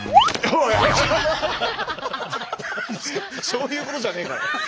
そういうことじゃねえから。